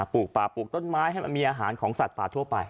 ปลูกป่าปลูกต้นไม้ให้มันมีอาหารของสัตว์ป่าทั่วไป